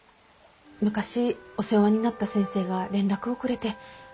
昔お世話になった先生が連絡をくれて。